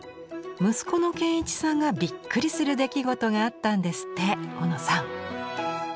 息子の賢一さんがびっくりする出来事があったんですって小野さん。